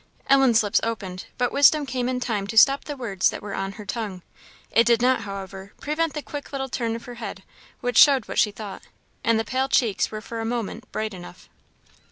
Ellen's lips opened, but wisdom came in time to stop the words that were on her tongue. It did not, however, prevent the quick little turn of her head, which showed what she thought, and the pale cheeks were for a moment bright enough.